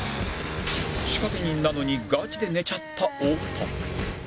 仕掛け人なのにガチで寝ちゃった太田